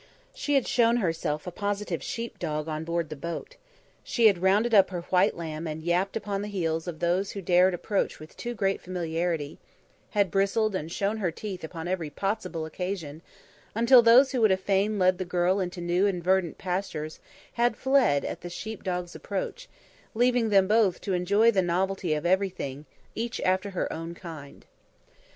She had shown herself a positive sheep dog on board the boat. She had rounded up her white lamb and yapped upon the heels of those who dared approach with too great familiarity; had bristled and shown her teeth upon every possible occasion, until those who would fain have led the girl into new and verdant pastures had fled at the sheep dog's approach, leaving them both to enjoy the novelty of everything, each after her own kind.